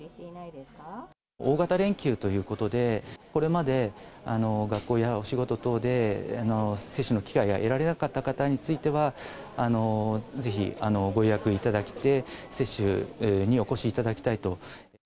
大型連休ということで、これまで学校やお仕事等で、接種の機会が得られなかった方については、ぜひご予約いただいて、接種にお越しいただきたいと。